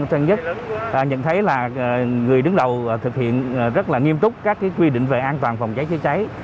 chúng ta nhận thấy là người đứng đầu thực hiện rất nghiêm trúc các quy định về an toàn vòng chữa cháy